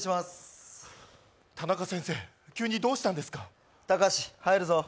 田中先生、急にどうしたんですかたかし入るぞ。